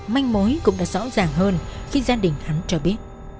manh mối cũng đã rõ ràng hơn khi gia đình hắn cho biết